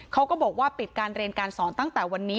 เขาก็บอกว่าปิดการเรียนการสอนตั้งแต่วันนี้